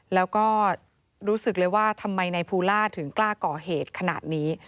แล้วก็รู้สึกเลยว่าทำไมนายภูล่าถึงกล้าก่อเหตุขนาดนี้